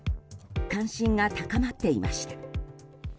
関心が高まっていました。